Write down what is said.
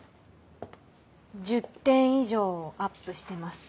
１０点以上アップしてます。